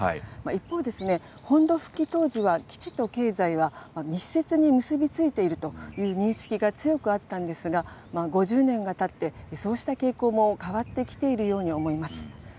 一方、本土復帰当時は、基地と経済は密接に結び付いているという認識が強くあったんですが、５０年がたって、そうした傾向も変わってきているように思います。